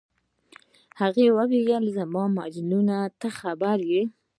هغې وویل: زما مجنونه، ته خبر یې؟